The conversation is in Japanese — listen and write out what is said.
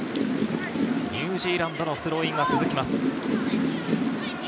ニュージーランドのスローインが続きます。